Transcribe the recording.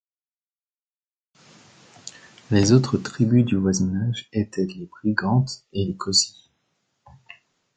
Les autres tribus du voisinage étaient les Brigantes et les Cauci.